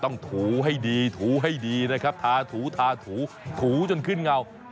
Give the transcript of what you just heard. ถูให้ดีถูให้ดีนะครับทาถูทาถูถูจนขึ้นเงา